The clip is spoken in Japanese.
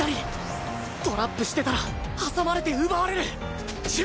トラップしてたら挟まれて奪われるチビ！